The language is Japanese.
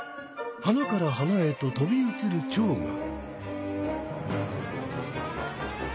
花から花へととび移るチョウが。